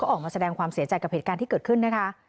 ออกมาแสดงความเสียใจกับเหตุการณ์ที่เกิดขึ้นนะคะ